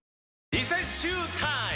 リセッシュータイム！